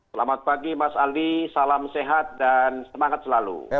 selamat pagi mas ali salam sehat dan semangat selalu